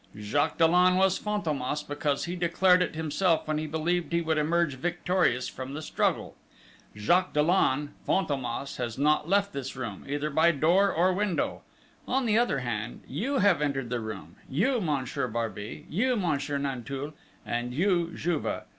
Jacques Dollon was Fantômas, because he declared it himself when he believed he would emerge victorious from the struggle. Jacques Dollon Fantômas has not left this room, either by door or window. On the other hand, you have entered the room you Monsieur Barbey, you Monsieur Nanteuil, and you Juve.